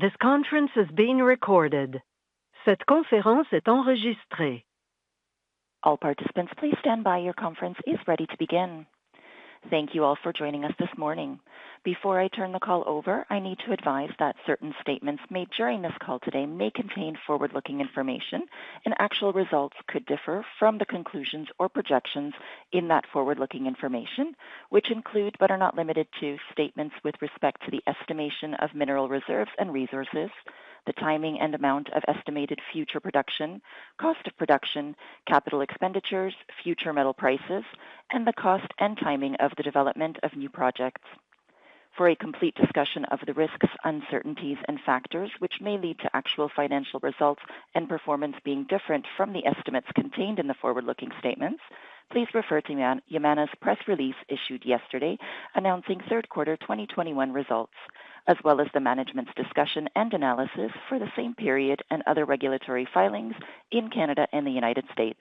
Thank you all for joining us this morning. Before I turn the call over, I need to advise that certain statements made during this call today may contain forward-looking information, and actual results could differ from the conclusions or projections in that forward-looking information, which include, but are not limited to, statements with respect to the estimation of mineral reserves and resources, the timing and amount of estimated future production, cost of production, capital expenditures, future metal prices, and the cost and timing of the development of new projects. For a complete discussion of the risks, uncertainties and factors which may lead to actual financial results and performance being different from the estimates contained in the forward-looking statements, please refer to Yamana's press release issued yesterday announcing Q3 2021 results, as well as the management's discussion and analysis for the same period and other regulatory filings in Canada and the United States.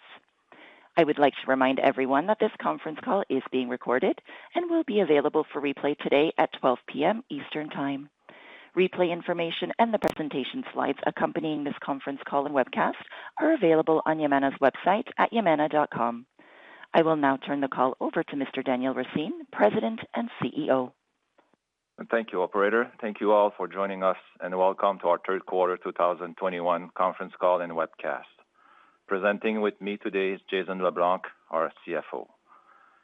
I would like to remind everyone that this conference call is being recorded and will be available for replay today at 12:00 P.M. Eastern Time. Replay information and the presentation slides accompanying this conference call and webcast are available on Yamana's website at yamana.com. I will now turn the call over to Mr. Daniel Racine, President and CEO. Thank you, Operator. Thank you all for joining us, and welcome to our Q3 2021 Conference Call and Webcast. Presenting with me today is Jason LeBlanc, our CFO.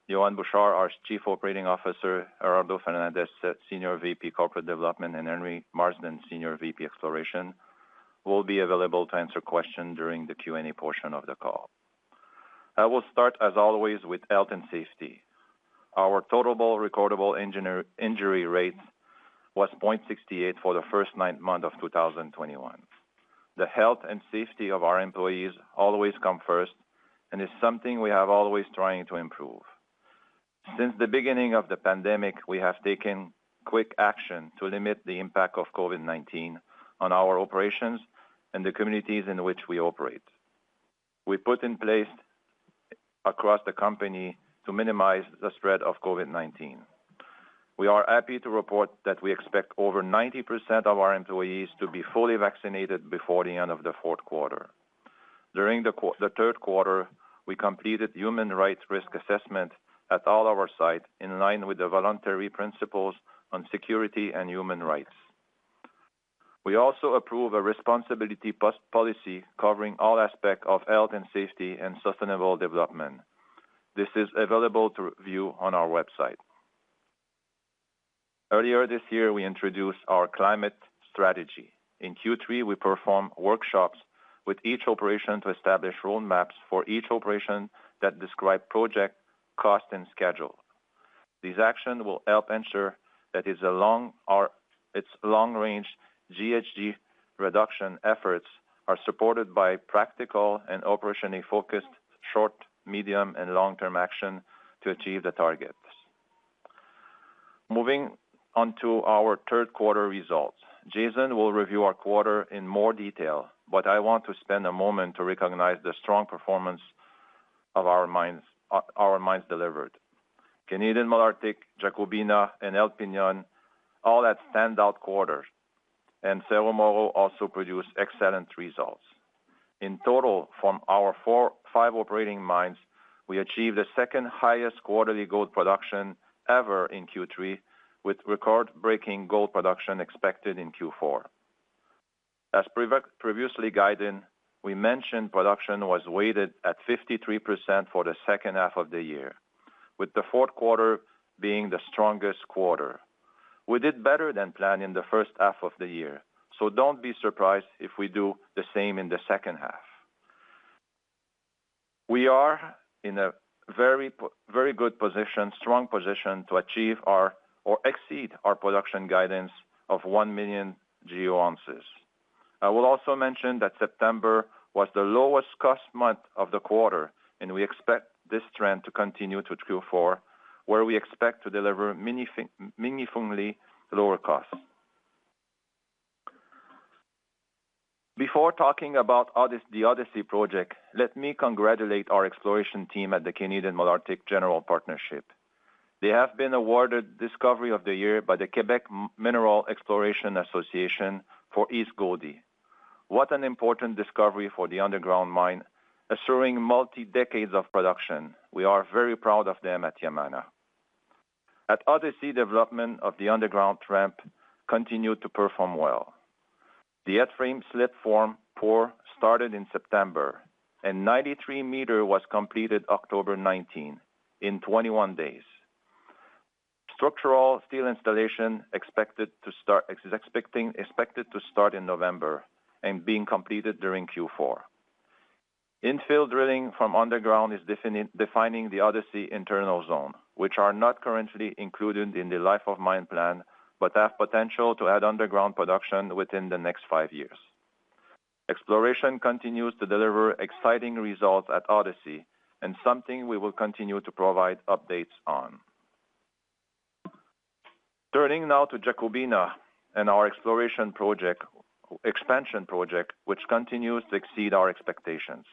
Yohann Bouchard, our Chief Operating Officer, Gerardo Fernandez, Senior VP, Corporate Development, and Henry Marsden, Senior VP, Exploration, will be available to answer questions during the Q&A portion of the call. I will start, as always, with health and safety. Our total recordable injury rate was 0.68 for the first nine months of 2021. The health and safety of our employees always come first and is something we are always trying to improve. Since the beginning of the pandemic, we have taken quick action to limit the impact of COVID-19 on our operations and the communities in which we operate. We put in place across the company to minimize the spread of COVID-19. We are happy to report that we expect over 90% of our employees to be fully vaccinated before the end of the Q4. During the Q3, we completed human rights risk assessment at all our sites in line with the Voluntary Principles on Security and Human Rights. We also approve a responsibility policy covering all aspects of health and safety and sustainable development. This is available to review on our website. Earlier this year, we introduced our climate strategy. In Q3, we performed workshops with each operation to establish roadmaps for each operation that describe project cost and schedule. These actions will help ensure that its long-range GHG reduction efforts are supported by practical and operationally focused short, medium, and long-term action to achieve the targets. Moving on to our Q3 results. Jason will review our quarter in more detail, but I want to spend a moment to recognize the strong performance of our mines. Our mines delivered. Canadian Malartic, Jacobina, and El Peñón all had standout quarters, and Cerro Moro also produced excellent results. In total, from our five operating mines, we achieved the second highest quarterly gold production ever in Q3, with record-breaking gold production expected in Q4. As previously guided, we mentioned production was weighted at 53% for the second half of the year, with the Q4 being the strongest quarter. We did better than planned in the first half of the year, so don't be surprised if we do the same in the second half. We are in a very good position, strong position to achieve or exceed our production guidance of one million GEO ounces. I will also mention that September was the lowest cost month of the quarter, and we expect this trend to continue to Q4, where we expect to deliver meaningfully lower costs. Before talking about the Odyssey project, let me congratulate our exploration team at the Canadian Malartic General Partnership. They have been awarded Discovery of the Year by the Quebec Mineral Exploration Association for East Goldie. What an important discovery for the underground mine, assuring multi decades of production. We are very proud of them at Yamana. At Odyssey, development of the underground ramp continued to perform well. The headframe slip form pour started in September and 93-meter was completed October 19 in 21 days. Structural steel installation expected to start in November and being completed during Q4. Infill drilling from underground is defining the Odyssey internal zone, which are not currently included in the life of mine plan, but have potential to add underground production within the next five years. Exploration continues to deliver exciting results at Odyssey and something we will continue to provide updates on. Turning now to Jacobina and our expansion project, which continues to exceed our expectations.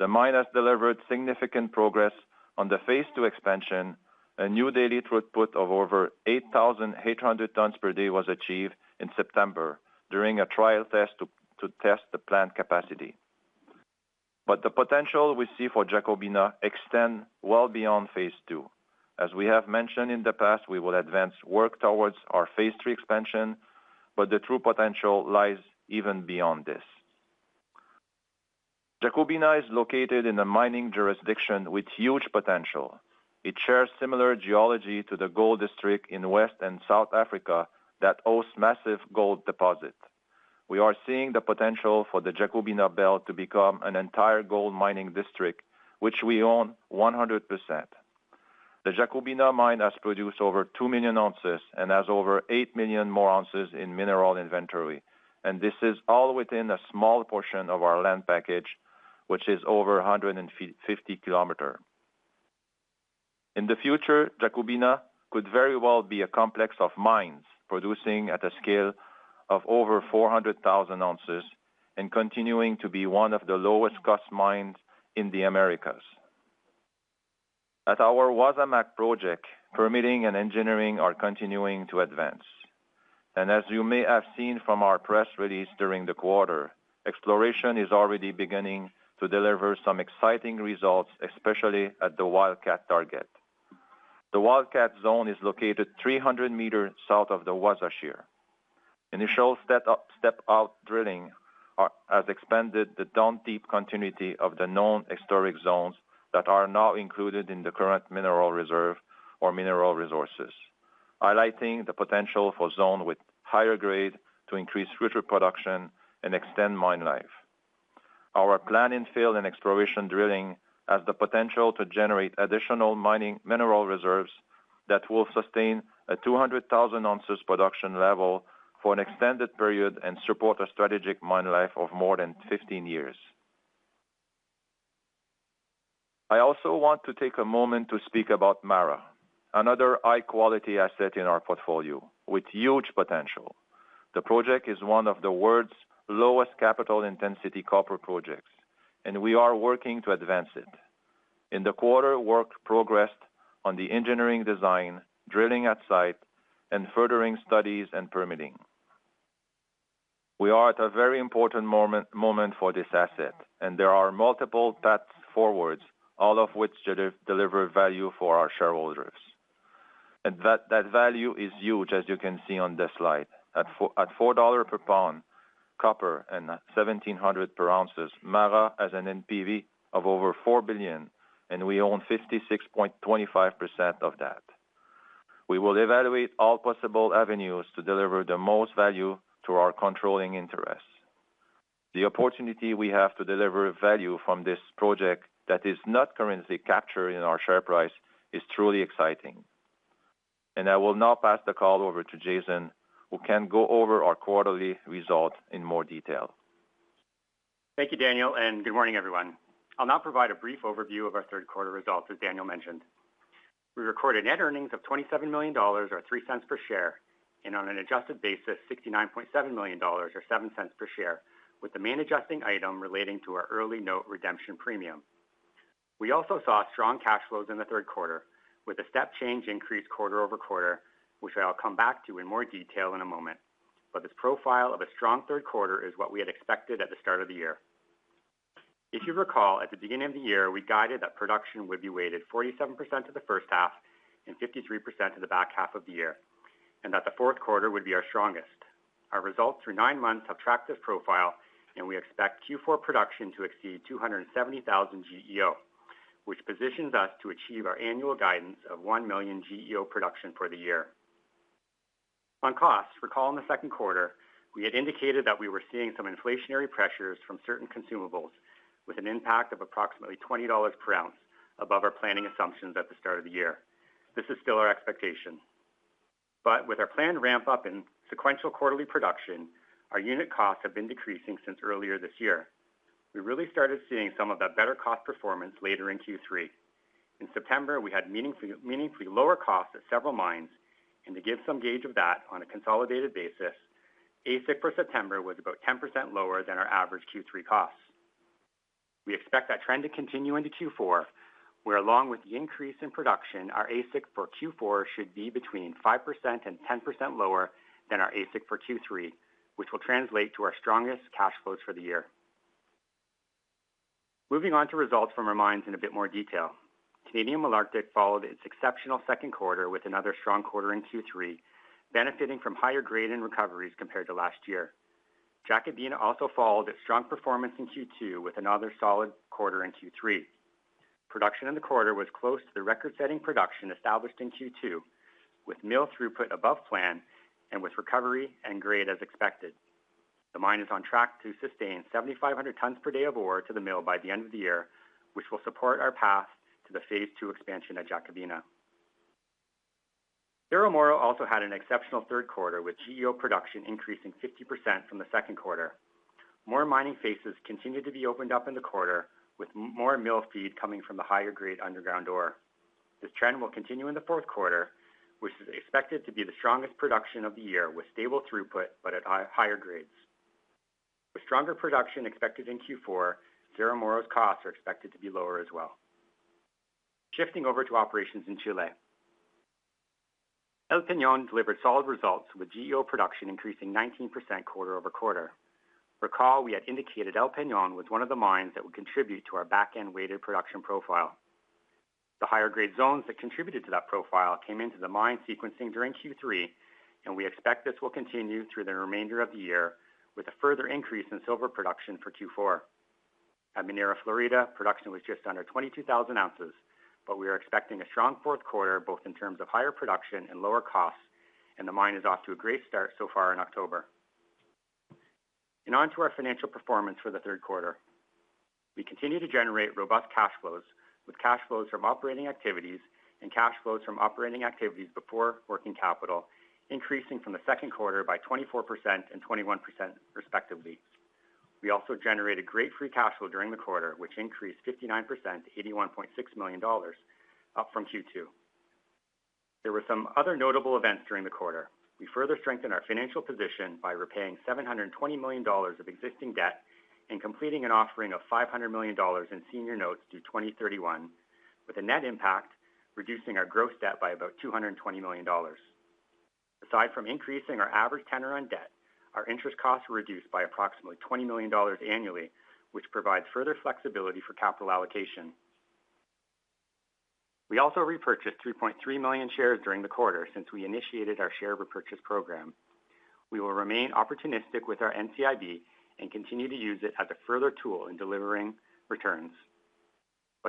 The mine has delivered significant progress on the phase II expansion. A new daily throughput of over 8,800 tons per day was achieved in September during a trial test to test the plant capacity. The potential we see for Jacobina extend well beyond phase II. As we have mentioned in the past, we will advance work towards our phase III expansion, but the true potential lies even beyond this. Jacobina is located in a mining jurisdiction with huge potential. It shares similar geology to the gold district in West and South Africa that hosts massive gold deposit. We are seeing the potential for the Jacobina belt to become an entire gold mining district, which we own 100%. The Jacobina mine has produced over two million ounces and has over eight million more ounces in mineral inventory, and this is all within a small portion of our land package, which is over 150 kilometers. In the future, Jacobina could very well be a complex of mines producing at a scale of over 400,000 ounces and continuing to be one of the lowest cost mines in the Americas. At our Wasamac project, permitting and engineering are continuing to advance. As you may have seen from our press release during the quarter, exploration is already beginning to deliver some exciting results, especially at the Wildcat target. The Wildcat zone is located 300 meters south of the Wasa Shear. Initial step-out drilling has expanded the down-dip continuity of the known historic zones that are now included in the current mineral reserve or mineral resources, highlighting the potential for zones with higher grade to increase future production and extend mine life. Our planned infill and exploration drilling has the potential to generate additional mineral reserves that will sustain a 200,000 ounces production level for an extended period and support a strategic mine life of more than 15 years. I also want to take a moment to speak about Mara, another high-quality asset in our portfolio with huge potential. The project is one of the world's lowest capital intensity copper projects, and we are working to advance it. In the quarter, work progressed on the engineering design, drilling at site, and furthering studies and permitting. We are at a very important moment for this asset, and there are multiple paths forwards, all of which deliver value for our shareholders. That value is huge, as you can see on this slide. At $4 per pound copper and at $1,700 per ounce, Mara has an NPV of over $4 billion, and we own 56.25% of that. We will evaluate all possible avenues to deliver the most value to our controlling interests. The opportunity we have to deliver value from this project that is not currently captured in our share price is truly exciting. I will now pass the call over to Jason, who can go over our quarterly result in more detail. Thank you, Daniel, and good morning, everyone. I'll now provide a brief overview of our Q3 results, as Daniel mentioned. We recorded net earnings of $27 million or $0.03 per share, and on an adjusted basis, $69.7 million or $0.07 per share, with the main adjusting item relating to our early note redemption premium. We also saw strong cash flows in the Q3 with a step change increase quarter-over-quarter, which I'll come back to in more detail in a moment. This profile of a strong Q3 is what we had expected at the start of the year. If you recall, at the beginning of the year, we guided that production would be weighted 47% to the first half and 53% to the back half of the year, and that the Q4 would be our strongest. Our results through nine months have tracked this profile, and we expect Q4 production to exceed 270,000 GEO, which positions us to achieve our annual guidance of one million GEO production for the year. On costs, recall in the Q2, we had indicated that we were seeing some inflationary pressures from certain consumables with an impact of approximately $20 per ounce above our planning assumptions at the start of the year. This is still our expectation. With our planned ramp up in sequential quarterly production, our unit costs have been decreasing since earlier this year. We really started seeing some of that better cost performance later in Q3. In September, we had meaningfully lower costs at several mines, and to give some gauge of that on a consolidated basis, AISC for September was about 10% lower than our average Q3 costs. We expect that trend to continue into Q4, where along with the increase in production, our AISC for Q4 should be between 5% and 10% lower than our AISC for Q3, which will translate to our strongest cash flows for the year. Moving on to results from our mines in a bit more detail. Canadian Malartic followed its exceptional Q2 with another strong quarter in Q3, benefiting from higher grade and recoveries compared to last year. Jacobina also followed its strong performance in Q2 with another solid quarter in Q3. Production in the quarter was close to the record-setting production established in Q2, with mill throughput above plan and with recovery and grade as expected. The mine is on track to sustain 7,500 tons per day of ore to the mill by the end of the year, which will support our path to the phase II expansion at Jacobina. Cerro Moro also had an exceptional Q3, with GEO production increasing 50% from the Q2. More mining faces continued to be opened up in the quarter, with more mill feed coming from the higher grade underground ore. This trend will continue in the Q4, which is expected to be the strongest production of the year, with stable throughput but at higher grades. With stronger production expected in Q4, Cerro Moro's costs are expected to be lower as well. Shifting over to operations in Chile. El Peñon delivered solid results, with GEO production increasing 19% quarter-over-quarter. Recall we had indicated El Peñon was one of the mines that would contribute to our back-end weighted production profile. The higher grade zones that contributed to that profile came into the mine sequencing during Q3, and we expect this will continue through the remainder of the year with a further increase in silver production for Q4. At Minera Florida, production was just under 22,000 ounces, but we are expecting a strong Q4, both in terms of higher production and lower costs, and the mine is off to a great start so far in October. On to our financial performance for the Q3. We continue to generate robust cash flows, with cash flows from operating activities and cash flows from operating activities before working capital increasing from the Q2 by 24% and 21% respectively. We also generated great free cash flow during the quarter, which increased 59% to $81.6 million, up from Q2. There were some other notable events during the quarter. We further strengthened our financial position by repaying $720 million of existing debt and completing an offering of $500 million in senior notes through 2031, with a net impact reducing our gross debt by about $220 million. Aside from increasing our average tenor on debt, our interest costs were reduced by approximately $20 million annually, which provides further flexibility for capital allocation. We also repurchased 3.3 million shares during the quarter since we initiated our share repurchase program. We will remain opportunistic with our NCIB and continue to use it as a further tool in delivering returns.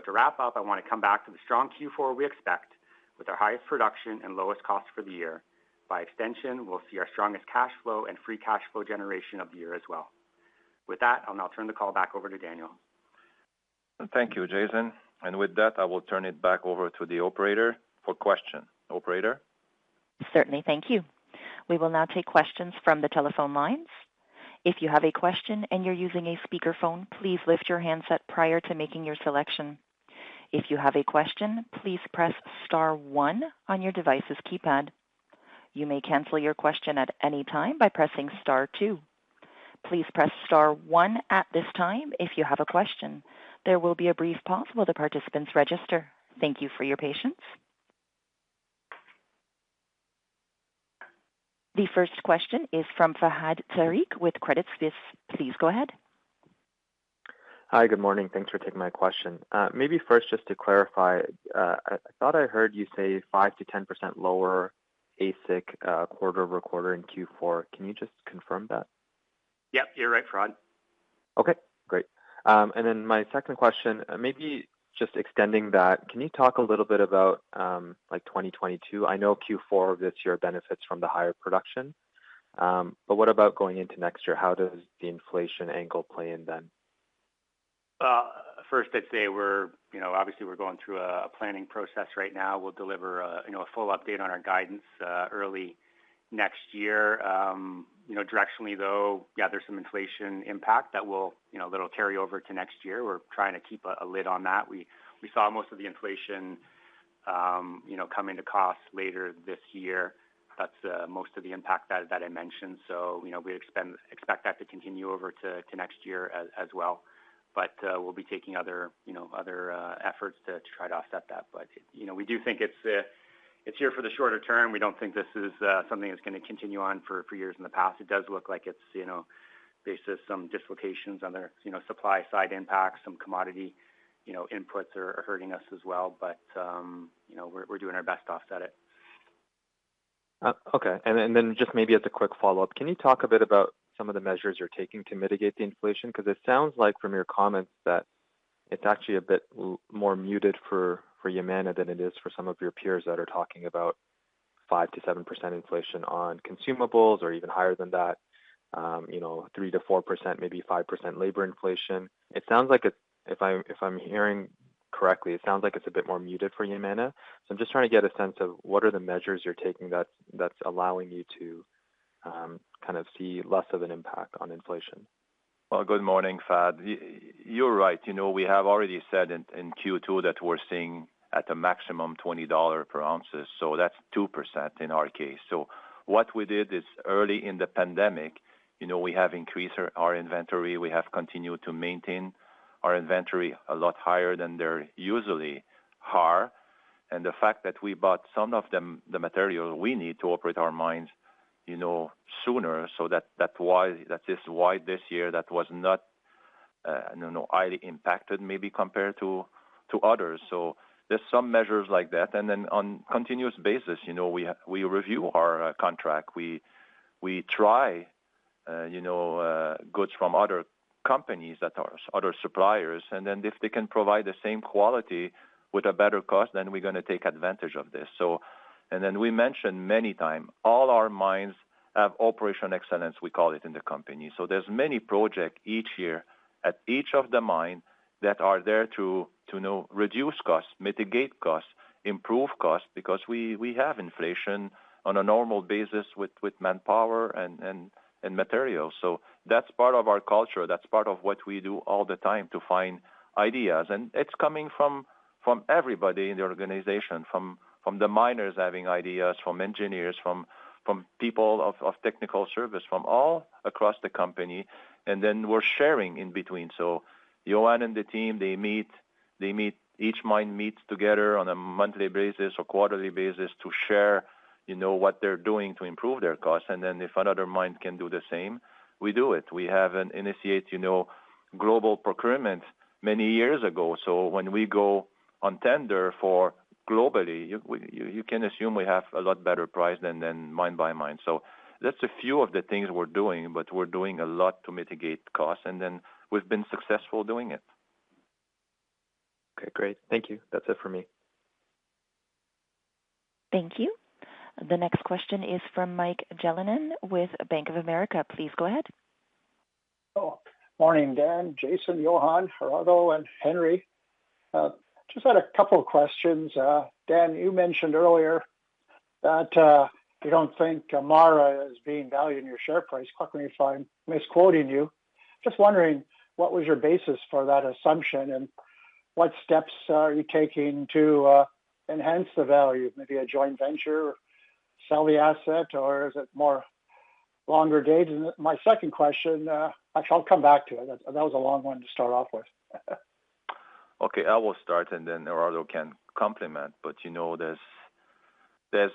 To wrap up, I want to come back to the strong Q4 we expect with our highest production and lowest cost for the year. By extension, we'll see our strongest cash flow and free cash flow generation of the year as well. With that, I'll now turn the call back over to Daniel. Thank you, Jason. With that, I will turn it back over to the operator for questions. Operator? Certainly. Thank you. We will now take questions from the telephone lines. If you have a question and you're using a speaker phone, please lift your handset prior to making your selection. If you have a question, please press star one on your device's keypad. You may cancel your question at any time by pressing star two. Please press star one at this time if you have a question. There will be a brief pause while the participants register. Thank you for your patience. The first question is from Fahad Tariq with Credit Suisse. Please go ahead. Hi. Good morning. Thanks for taking my question. Maybe first just to clarify, I thought I heard you say 5% to 10% lower AISC quarter-over-quarter in Q4. Can you just confirm that? Yep, you're right, Fahad. Okay, great. My second question, maybe just extending that, can you talk a little bit about, like, 2022? I know Q4 this year benefits from the higher production, but what about going into next year? How does the inflation angle play in then? First I'd say we're, you know, obviously going through a planning process right now. We'll deliver a full update on our guidance early next year. You know, directionally, though, yeah, there's some inflation impact that will, you know, that'll carry over to next year. We're trying to keep a lid on that. We saw most of the inflation come into costs later this year. That's most of the impact that I mentioned. You know, we expect that to continue over to next year as well. We'll be taking other efforts to try to offset that. You know, we do think it's here for the short term. We don't think this is something that's gonna continue on for years in the past. It does look like it's, you know, based on some dislocations on the supply side impacts. Some commodity, you know, inputs are hurting us as well, but, you know, we're doing our best to offset it. Then just maybe as a quick follow-up, can you talk a bit about some of the measures you're taking to mitigate the inflation? 'Cause it sounds like from your comments that it's actually a bit more muted for Yamana than it is for some of your peers that are talking about 5% to 7% inflation on consumables or even higher than that, you know, 3% to 4%, maybe 5% labor inflation. It sounds like it's. If I'm hearing correctly, it sounds like it's a bit more muted for Yamana. I'm just trying to get a sense of what are the measures you're taking that's allowing you to kind of see less of an impact on inflation. Well, good morning, Fahad. You're right. You know, we have already said in Q2 that we're seeing at a maximum $20 per ounce, so that's 2% in our case. What we did is early in the pandemic, you know, we have increased our inventory, we have continued to maintain our inventory a lot higher than they usually are. The fact that we bought some of the material we need to operate our mines, you know, sooner, so that's why that is why this year that was not highly impacted maybe compared to others. There's some measures like that. Then on continuous basis, you know, we review our contract. We try goods from other companies that are other suppliers. If they can provide the same quality with a better cost, then we're gonna take advantage of this. We mentioned many time, all our mines have operational excellence, we call it in the company. There's many project each year at each of the mine that are there to, you know, reduce costs, mitigate costs, improve costs, because we have inflation on a normal basis with manpower and materials. That's part of our culture, that's part of what we do all the time to find ideas. It's coming from everybody in the organization, from the miners having ideas, from engineers, from people of technical service, from all across the company, and then we're sharing in between. Yohann and the team, they meet, each mine meets together on a monthly basis or quarterly basis to share, you know, what they're doing to improve their costs. If another mine can do the same, we do it. We have an initiative, you know, global procurement many years ago. When we go on tender for globally, you can assume we have a lot better price than mine by mine. That's a few of the things we're doing, but we're doing a lot to mitigate costs, and then we've been successful doing it. Okay, great. Thank you. That's it for me. Thank you. The next question is from Michael Jalonen with Bank of America. Please go ahead. Morning, Dan, Jason, Yohann, Gerardo, and Henry. Just had a couple of questions. Dan, you mentioned earlier that you don't think MARA is being valued in your share price. Correct me if I'm misquoting you. Just wondering, what was your basis for that assumption, and what steps are you taking to enhance the value? Maybe a joint venture, sell the asset, or is it more longer dated? My second question, actually, I'll come back to it. That was a long one to start off with. Okay, I will start, and then Gerardo can complement. You know, there's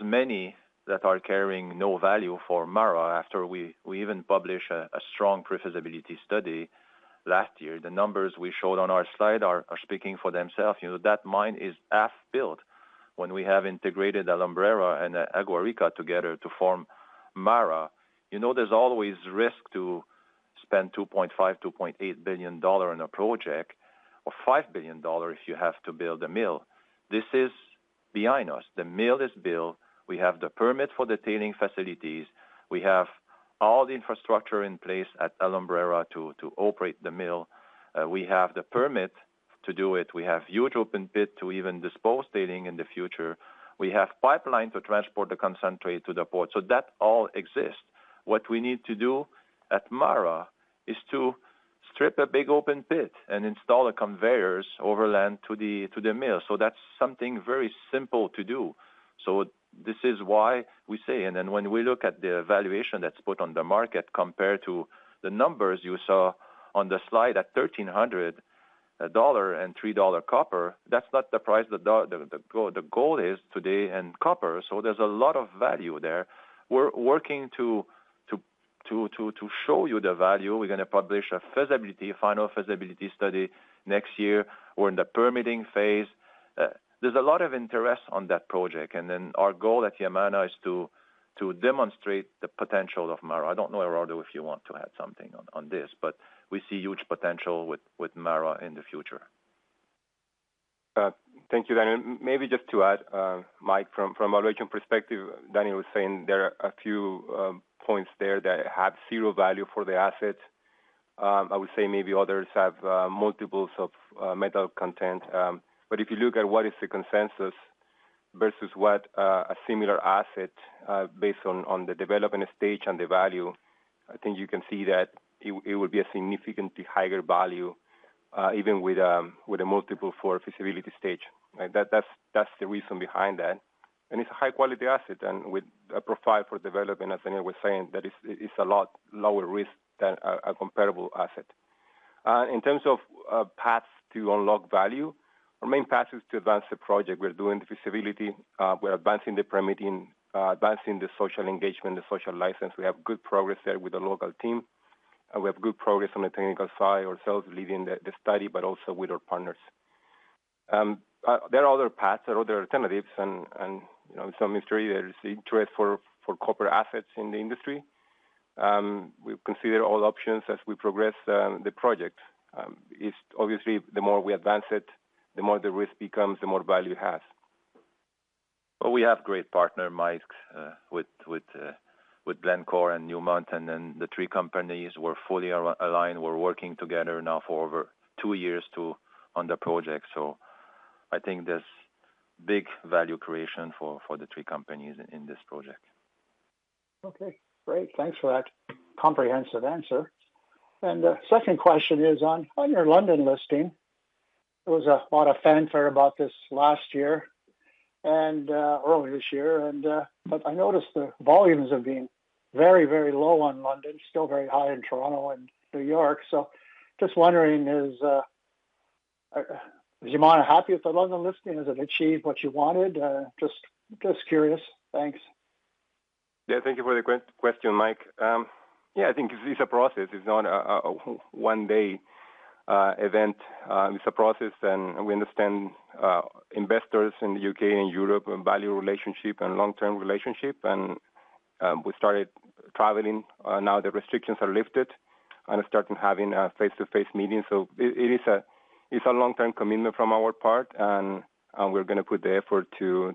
many that are carrying no value for Mara after we even publish a strong pre-feasibility study last year. The numbers we showed on our slide are speaking for themselves. You know, that mine is half built when we have integrated Alumbrera and Agua Rica together to form Mara. You know, there's always risk to spend $2.5 billion to $2.8 billion on a project, or $5 billion if you have to build a mill. This is behind us. The mill is built. We have the permit for the tailings facilities. We have all the infrastructure in place at Alumbrera to operate the mill. We have the permit to do it. We have huge open pit to even dispose tailings in the future. We have pipeline to transport the concentrate to the port. That all exists. What we need to do at Mara is to strip a big open pit and install the conveyors overland to the mill. That's something very simple to do. This is why we say, and then when we look at the valuation that's put on the market compared to the numbers you saw on the slide at $1,300 and $3 copper, that's not the price today for the gold in copper. There's a lot of value there. We're working to show you the value. We're gonna publish a final feasibility study next year. We're in the permitting phase. There's a lot of interest on that project. Our goal at Yamana is to demonstrate the potential of Mara. I don't know, Gerardo, if you want to add something on this, but we see huge potential with Mara in the future. Thank you, Dan. Maybe just to add, Mike, from a region perspective, Daniel was saying there are a few points there that have zero value for the asset. I would say maybe others have multiples of metal content. But if you look at what is the consensus versus what a similar asset, based on the development stage and the value, I think you can see that it would be a significantly higher value, even with a multiple for feasibility stage. Right? That's the reason behind that. It's a high-quality asset and with a profile for development, as Daniel was saying, that is, it's a lot lower risk than a comparable asset. In terms of paths to unlock value, our main path is to advance the project. We're doing the feasibility. We're advancing the permitting, advancing the social engagement, the social license. We have good progress there with the local team, and we have good progress on the technical side ourselves leading the study, but also with our partners. There are other paths or other alternatives and, you know, some industry, there's interest for corporate assets in the industry. We'll consider all options as we progress the project. It's obviously the more we advance it, the more the risk becomes, the more value it has. Well, we have great partner, Mike, with Glencore and Newmont, and then the three companies, we're fully aligned. We're working together now for over two years on the project. I think there's big value creation for the three companies in this project. Okay. Great. Thanks for that comprehensive answer. The second question is on your London listing. There was a lot of fanfare about this last year and early this year. I noticed the volumes have been very low on London, still very high in Toronto and New York. Just wondering, is Yamana happy with the London listing? Has it achieved what you wanted? Just curious. Thanks. Yeah, thank you for the question, Mike. Yeah, I think it's a process. It's not a one-day event. It's a process, and we understand investors in the U.K. and Europe value relationship and long-term relationship. We started traveling now the restrictions are lifted, and starting to have face-to-face meetings. It's a long-term commitment from our part, and we're gonna put the effort to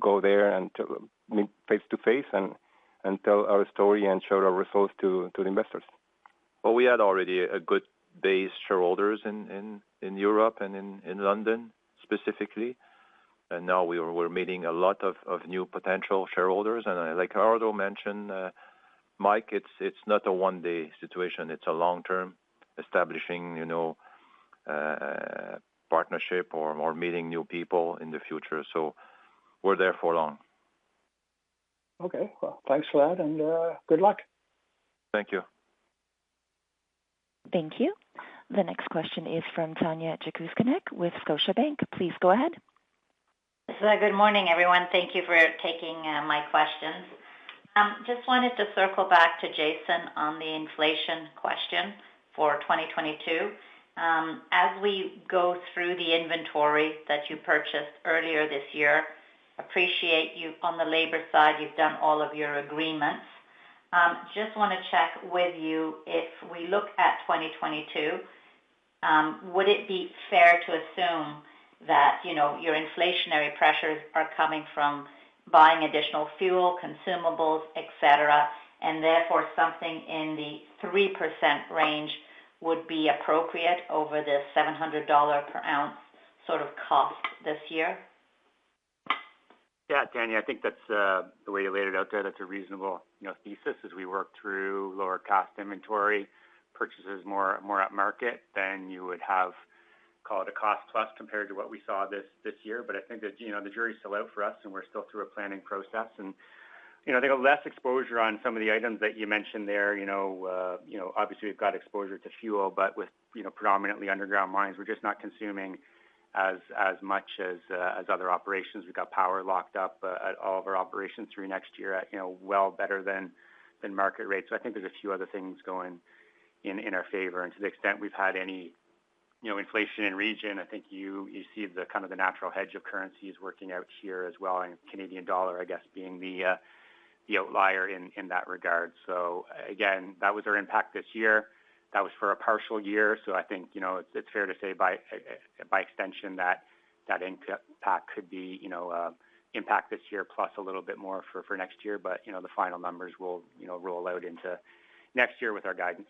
go there and to meet face to face and tell our story and show our results to the investors. Well, we had already a good base shareholders in Europe and in London specifically. Now we're meeting a lot of new potential shareholders. Like Gerardo mentioned, Mike, it's not a one-day situation. It's a long-term establishing, you know, partnership or meeting new people in the future. We're there for long. Okay, well, thanks for that and good luck. Thank you. Thank you. The next question is from Tanya Jakusconek with Scotiabank. Please go ahead. Good morning, everyone. Thank you for taking my questions. Just wanted to circle back to Jason on the inflation question for 2022. As we go through the inventory that you purchased earlier this year, I appreciate on the labor side, you've done all of your agreements. Just wanna check with you, if we look at 2022, would it be fair to assume that, you know, your inflationary pressures are coming from buying additional fuel, consumables, et cetera, and therefore, something in the 3% range would be appropriate over the $700 per ounce sort of cost this year? Yeah, Tanya, I think that's the way you laid it out there, that's a reasonable, you know, thesis as we work through lower cost inventory purchases more at market than you would have, call it a cost plus compared to what we saw this year. I think that, you know, the jury's still out for us, and we're still through a planning process. You know, I think less exposure on some of the items that you mentioned there, you know, you know, obviously we've got exposure to fuel, but with, you know, predominantly underground mines, we're just not consuming as much as as other operations. We've got power locked up at all of our operations through next year at, you know, well better than market rate. I think there's a few other things going in our favor. To the extent we've had any, you know, inflation in the region, I think you see the kind of natural hedge of currencies working out here as well, and Canadian dollar, I guess, being the outlier in that regard. Again, that was our impact this year. That was for a partial year. I think, you know, it's fair to say by extension that impact could be, you know, the impact this year plus a little bit more for next year. You know, the final numbers will, you know, roll out into next year with our guidance.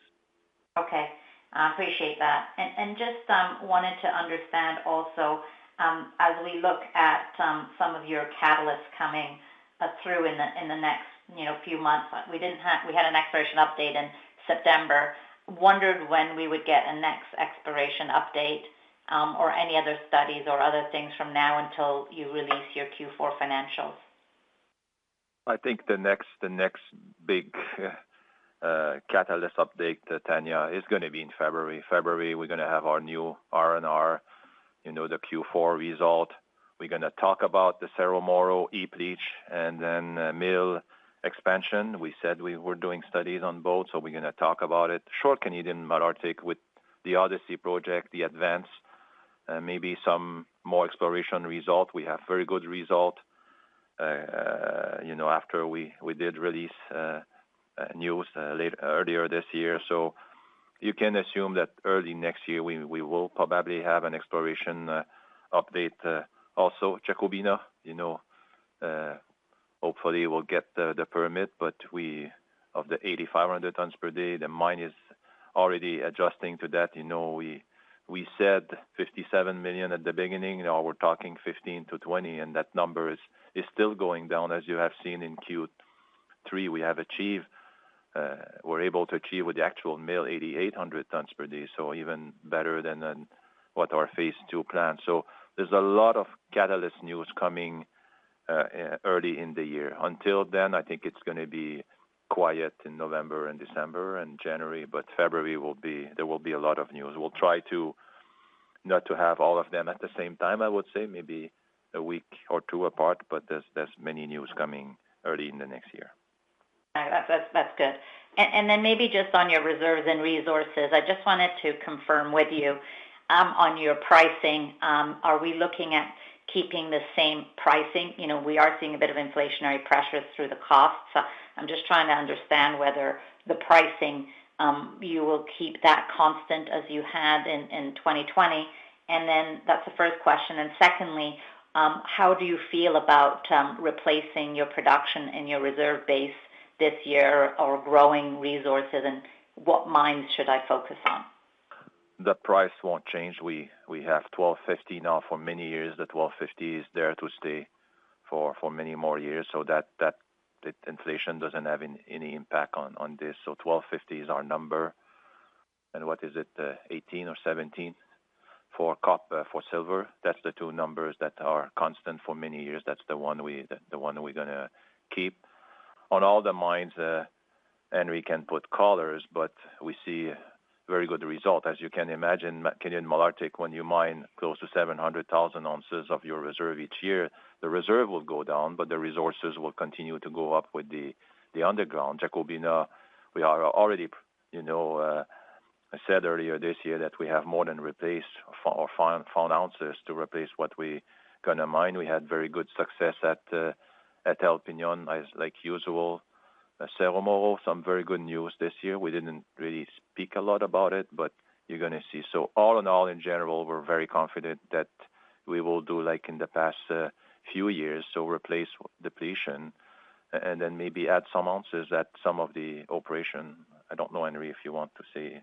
Okay. I appreciate that. Just wanted to understand also, as we look at some of your catalysts coming through in the next, you know, few months. We had an exploration update in September. I wondered when we would get a next exploration update, or any other studies or other things from now until you release your Q4 financials. I think the next big catalyst update, Tanya, is gonna be in February. We're gonna have our new R&R, you know, the Q4 result. We're gonna talk about the Cerro Moro heap leach, and then mill expansion. We said we were doing studies on both, so we're gonna talk about it. Update Canadian Malartic with the Odyssey project, the advance, maybe some more exploration result. We have very good result, you know, after we did release news earlier this year. You can assume that early next year we will probably have an exploration update also Jacobina. You know, hopefully we'll get the permit, but we're at the 8,500 tons per day, the mine is already adjusting to that. You know, we said 57 million at the beginning. Now we're talking 15 to 20, and that number is still going down, as you have seen in Q3, we have achieved, we're able to achieve with the actual mill 8,800 tons per day, so even better than what our phase II plan. There's a lot of catalyst news coming early in the year. Until then, I think it's gonna be quiet in November and December and January. February will be, there will be a lot of news. We'll try not to have all of them at the same time, I would say. Maybe a week or two apart, but there's many news coming early in the next year. All right. That's good. Maybe just on your reserves and resources, I just wanted to confirm with you on your pricing. Are we looking at keeping the same pricing? You know, we are seeing a bit of inflationary pressures through the costs. I'm just trying to understand whether the pricing you will keep that constant as you had in 2020. That's the first question. Secondly, how do you feel about replacing your production and your reserve base this year or growing resources, and what mines should I focus on? The price won't change. We have $1,250 now for many years. The $1,250 is there to stay for many more years so that inflation doesn't have any impact on this. So $1,250 is our number. What is it, $18 or $17 for silver? That's the two numbers that are constant for many years. That's the one we're gonna keep. On all the mines, Henry can put colors, but we see very good result. As you can imagine, Canadian Malartic, when you mine close to 700,000 ounces of your reserve each year, the reserve will go down, but the resources will continue to go up with the underground. Jacobina, we are already, you know, I said earlier this year that we have more than replaced or found ounces to replace what we gonna mine. We had very good success at El Peñon, as like usual. Cerro Moro, some very good news this year. We didn't really speak a lot about it, but you're gonna see. All in all, in general, we're very confident that we will do like in the past few years, so replace depletion and then maybe add some ounces at some of the operation. I don't know, Henry, if you want to say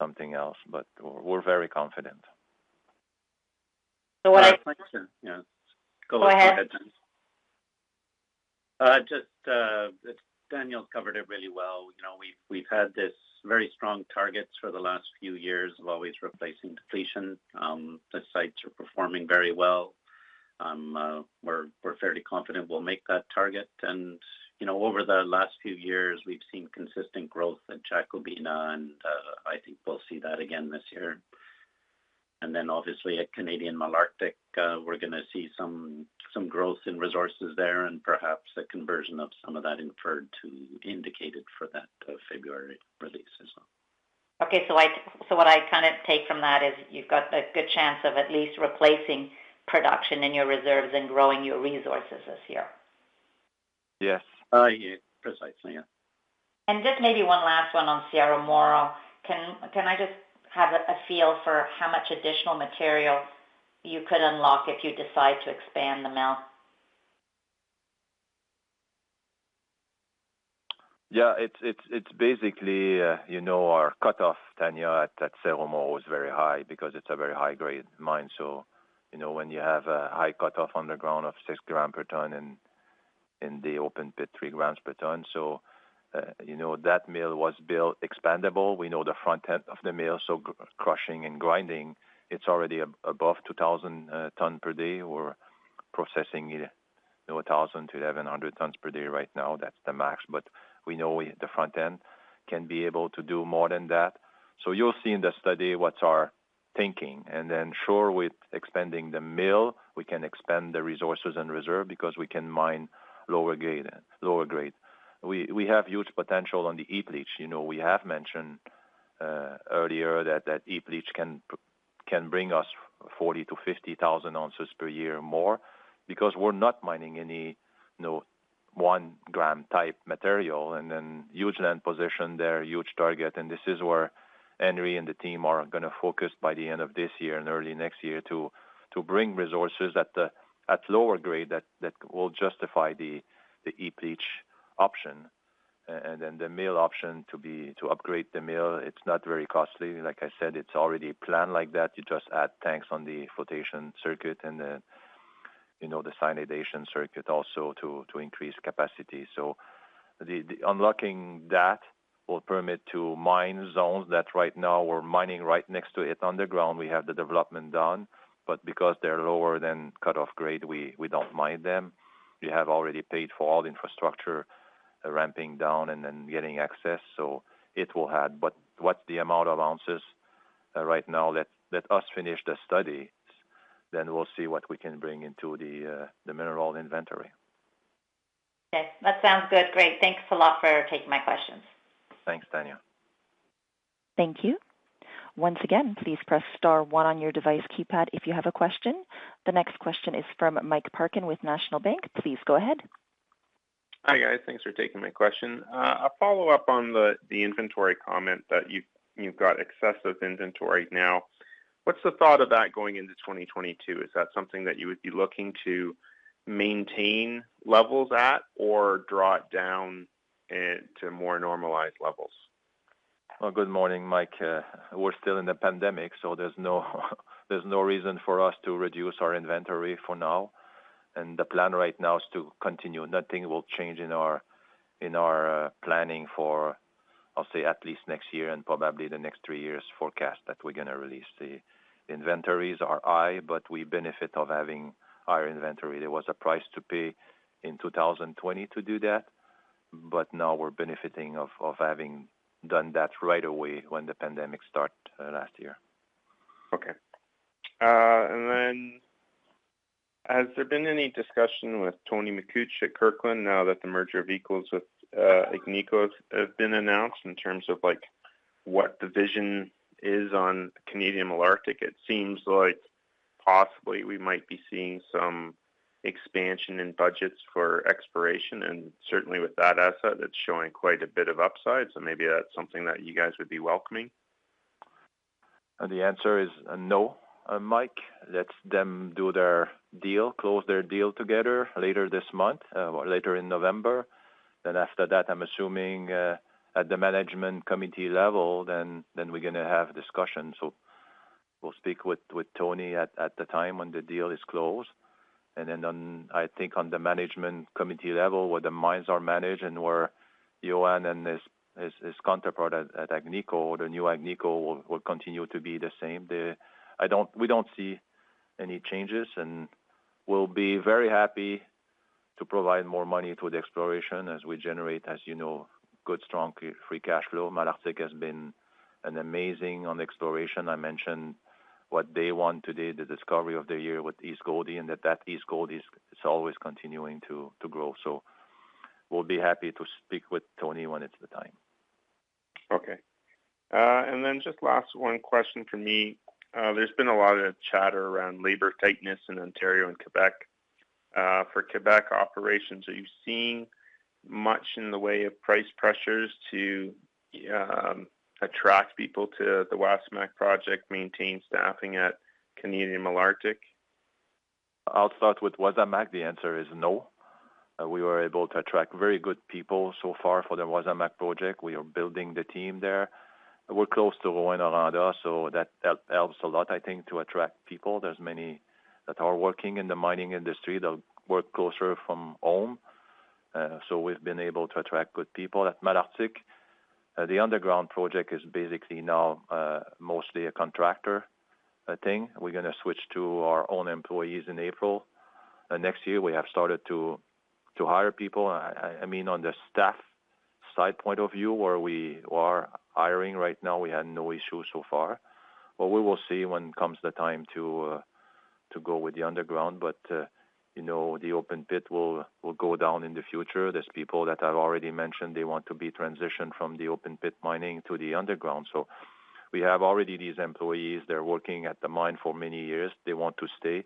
something else, but we're very confident. So what I Yeah. Go ahead. Uh, just, uh Daniel covered it really well. You know, we've had this very strong targets for the last few years of always replacing depletion. The sites are performing very well. We're fairly confident we'll make that target. You know, over the last few years, we've seen consistent growth at Jacobina, and I think we'll see that again this year. Then obviously at Canadian Malartic, we're gonna see some growth in resources there and perhaps a conversion of some of that inferred to indicated for that February release as well. Okay. What I kind of take from that is you've got a good chance of at least replacing production in your reserves and growing your resources this year. Yes. Yeah. Precisely, yeah. Just maybe one last one on Cerro Moro. Can I just have a feel for how much additional material you could unlock if you decide to expand the mill? Yeah. It's basically, you know, our cutoff tenor at Cerro Moro is very high because it's a very high-grade mine. You know, when you have a high cutoff underground of 6 grams per tonne and the open pit 3 grams per tonne. You know, that mill was built expandable. We know the front end of the mill, so crushing and grinding, it's already above 2,000 tons per day. We're processing it, you know, 1,000 to 1,100 tons per day right now. That's the max. But we know the front end can be able to do more than that. You'll see in the study what's our thinking. And then sure, with expanding the mill, we can expand the resources and reserve because we can mine lower grade. We have huge potential on the heap leach. You know, we have mentioned earlier that heap leach can bring us 40,000 to 50,000 ounces per year more because we're not mining any, you know, one gram type material. Huge land position there, huge target. This is where Henry and the team are gonna focus by the end of this year and early next year to bring resources at the lower grade that will justify the heap leach option. Then the mill option to upgrade the mill, it's not very costly. Like I said, it's already planned like that. You just add tanks on the flotation circuit and then, you know, the cyanidation circuit also to increase capacity. The unlocking that will permit to mine zones that right now we're mining right next to it underground. We have the development done, but because they're lower than cutoff grade, we don't mine them. We have already paid for all the infrastructure ramping down and then getting access, so it will add. What's the amount of ounces right now, let us finish the study, then we'll see what we can bring into the mineral inventory. Okay, that sounds good. Great. Thanks a lot for taking my questions. Thanks, Tanya. Thank you. Once again, please press star one on your device keypad if you have a question. The next question is from Mike Parkin with National Bank. Please go ahead. Hi, guys. Thanks for taking my question. A follow-up on the inventory comment that you've got excessive inventory now. What's the thought of that going into 2022? Is that something that you would be looking to maintain levels at or draw it down to more normalized levels? Good morning, Mike. We're still in the pandemic, so there's no reason for us to reduce our inventory for now. The plan right now is to continue. Nothing will change in our planning for, I'll say, at least next year and probably the next three years forecast that we're gonna release. The inventories are high, but we benefit of having higher inventory. There was a price to pay in 2020 to do that, but now we're benefiting of having done that right away when the pandemic start last year. Okay. Has there been any discussion with Tony Makuch at Kirkland Lake Gold now that the merger of equals with Agnico has been announced in terms of, like, what the vision is on Canadian Malartic? It seems like possibly we might be seeing some expansion in budgets for exploration, and certainly with that asset, it's showing quite a bit of upside. Maybe that's something that you guys would be welcoming. The answer is no, Mike. Let them do their deal, close their deal together later this month or later in November. After that, I'm assuming at the management committee level, then we're gonna have discussions. We'll speak with Tony at the time when the deal is closed. Then, I think, on the management committee level, where the mines are managed and where Yohann and his counterpart at Agnico, the new Agnico, will continue to be the same. We don't see any changes, and we'll be very happy to provide more money to the exploration as we generate, as you know, good, strong free cash flow. Malartic has been an amazing on exploration. I mentioned what they won today, the Discovery of the Year with East Goldie, and that East Goldie is always continuing to grow. We'll be happy to speak with Tony when it's the time. Just one last question from me. There's been a lot of chatter around labor tightness in Ontario and Quebec. For Quebec operations, are you seeing much in the way of price pressures to attract people to the Wasamac project, maintain staffing at Canadian Malartic? I'll start with Wasamac. The answer is no. We were able to attract very good people so far for the Wasamac project. We are building the team there. We're close to Rouyn-Noranda, so that helps a lot, I think, to attract people. There's many that are working in the mining industry that work closer from home. We've been able to attract good people. At Malartic, the underground project is basically now mostly a contractor thing. We're gonna switch to our own employees in April. Next year, we have started to hire people. I mean, on the staff side point of view, where we are hiring right now, we had no issue so far. We will see when comes the time to go with the underground. You know, the open pit will go down in the future. There's people that I've already mentioned, they want to be transitioned from the open pit mining to the underground. We have already these employees, they're working at the mine for many years. They want to stay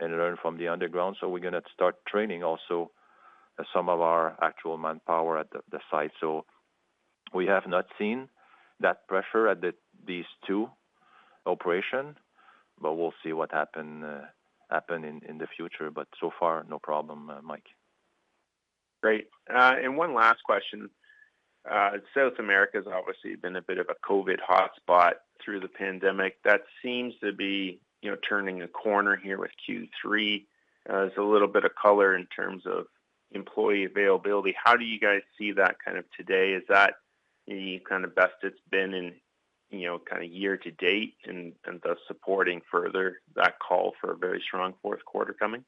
and learn from the underground, so we're gonna start training also some of our actual manpower at the site. We have not seen that pressure at these two operation, but we'll see what happen in the future. So far, no problem, Mike. Great. One last question. South America's obviously been a bit of a COVID hotspot through the pandemic. That seems to be, you know, turning a corner here with Q3. There's a little bit of color in terms of employee availability. How do you guys see that kind of today? Is that the kind of best it's been in, you know, kind of year to date and thus supporting further that call for a very strong Q4 coming?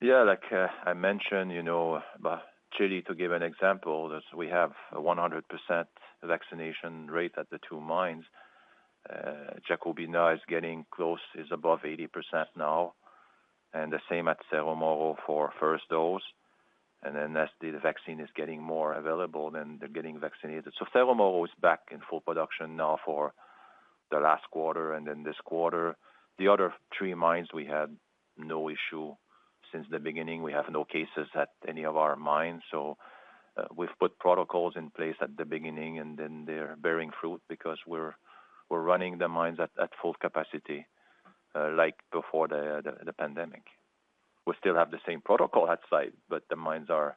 Yeah, like I mentioned, you know, but Chile, to give an example, we have 100% vaccination rate at the two mines. Jacobina is getting close, is above 80% now, and the same at Cerro Moro for first dose. As the vaccine is getting more available, they're getting vaccinated. Cerro Moro is back in full production now for the last quarter and then this quarter. The other three mines, we had no issue since the beginning. We have no cases at any of our mines. We've put protocols in place at the beginning, and then they're bearing fruit because we're running the mines at full capacity, like before the pandemic. We still have the same protocol at site, but the mines are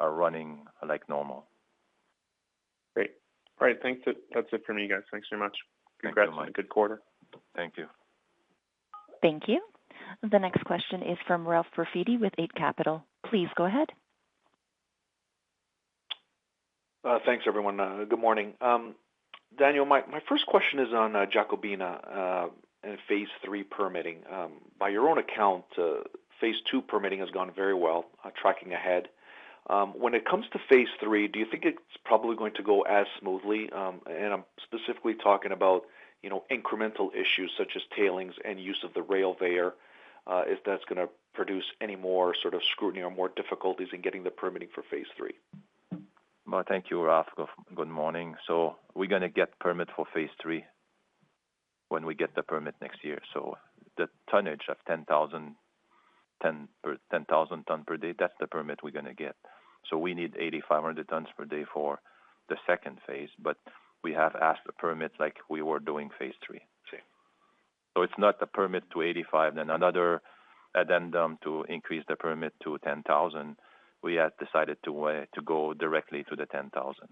running like normal. Great. All right. Thanks. That's it for me, guys. Thanks very much. Thanks a lot. Congrats on a good quarter. Thank you. Thank you. The next question is from Ralph Profiti with Eight Capital. Please go ahead. Thanks everyone. Good morning. Daniel, my first question is on Jacobina and phase III permitting. By your own account, phase II permitting has gone very well, tracking ahead. When it comes to phase III, do you think it's probably going to go as smoothly? I'm specifically talking about, you know, incremental issues such as tailings and use of the railway. If that's gonna produce any more sort of scrutiny or more difficulties in getting the permitting for phase III. Well, thank you, Ralph. Good morning. We're gonna get a permit for phase III when we get the permit next year. The tonnage of 10,000 tons per day, that's the permit we're gonna get. We need 8,500 tons per day for the second phase, but we have asked for the permit like we were doing phase III. Okay. It's not a permit to 85, then another addendum to increase the permit to 10,000. We had decided to go directly to the 10,000.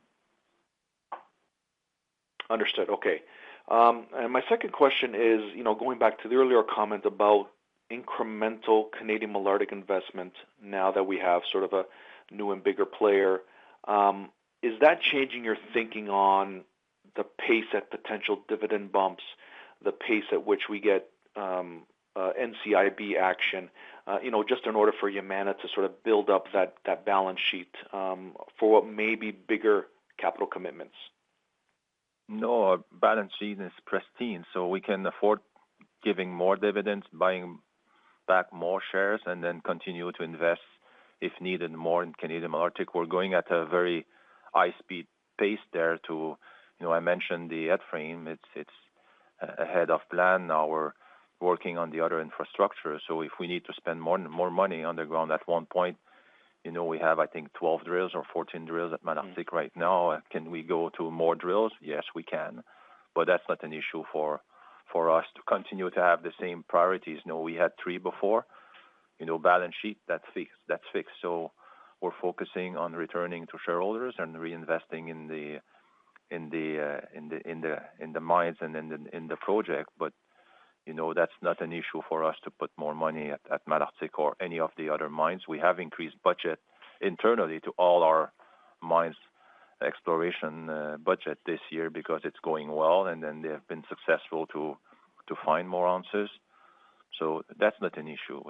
Understood. Okay. My second question is, you know, going back to the earlier comment about incremental Canadian Malartic investment now that we have sort of a new and bigger player, is that changing your thinking on the pace at potential dividend bumps, the pace at which we get NCIB action, you know, just in order for Yamana to sort of build up that balance sheet for maybe bigger capital commitments? No. Balance sheet is pristine, so we can afford giving more dividends, buying back more shares, and then continue to invest, if needed, more in Canadian Malartic. We're going at a very high speed pace there. You know, I mentioned the headframe. It's ahead of plan now. We're working on the other infrastructure. If we need to spend more money underground at one point, you know, we have, I think, 12 drills or 14 drills at Malartic right now. Can we go to more drills? Yes, we can. But that's not an issue for us to continue to have the same priorities. You know, we had three before. You know, balance sheet, that's fixed. We're focusing on returning to shareholders and reinvesting in the mines and in the project. You know, that's not an issue for us to put more money at Malartic or any of the other mines. We have increased budget internally to all our mines' exploration budget this year because it's going well, and then they have been successful to find more ounces. So that's not an issue.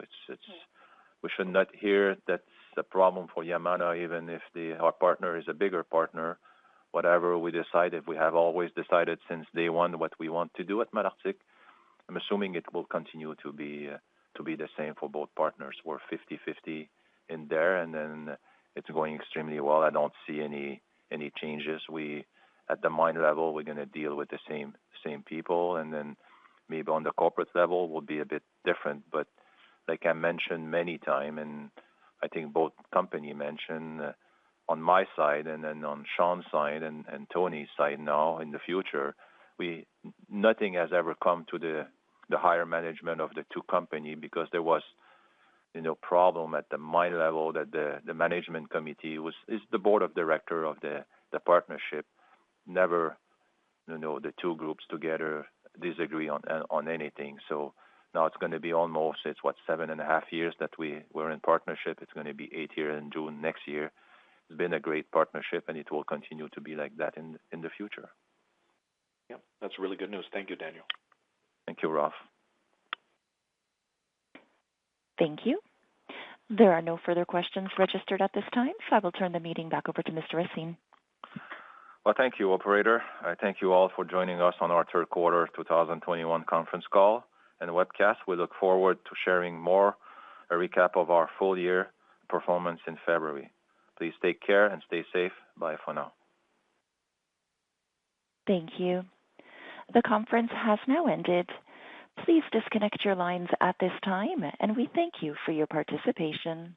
We should not hear that's a problem for Yamana, even if our partner is a bigger partner. Whatever we decided, we have always decided since day one what we want to do at Malartic. I'm assuming it will continue to be the same for both partners. We're 50/50 in there, and then it's going extremely well. I don't see any changes. At the mine level, we're gonna deal with the same people, and then maybe on the corporate level will be a bit different. Like I mentioned many times, and I think both companies mentioned on my side and then on Sean's side and Tony's side now in the future, nothing has ever come to the higher management of the two companies because there was, you know, problem at the mine level that the management committee was, is the board of directors of the partnership. Never, you know, the two groups together disagree on anything. Now it's gonna be almost, it's what, 7.5 years that we were in partnership. It's gonna be eight years in June next year. It's been a great partnership, and it will continue to be like that in the future. Yeah. That's really good news. Thank you, Daniel. Thank you, Ralph. Thank you. There are no further questions registered at this time, so I will turn the meeting back over to Mr. Racine. Well, thank you, operator. I thank you all for joining us on our Q3 2021 conference call and webcast. We look forward to sharing more, a recap of our full year performance in February. Please take care and stay safe. Bye for now. Thank you. The conference has now ended. Please disconnect your lines at this time, and we thank you for your participation.